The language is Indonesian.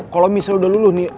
kalau misalnya udah luluh nih